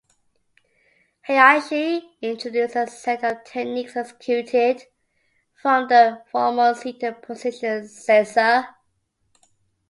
Hayashi introduced a set of techniques executed from the formal seated position seiza.